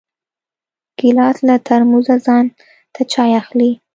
ګیلاس له ترموزه ځان ته چای اخلي.